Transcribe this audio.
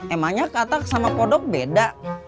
emangnya katak sama kodok beda